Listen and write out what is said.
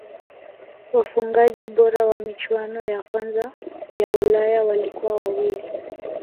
wafungaji bora wa michuano ya kwanza ya ulaya walikuwa wawili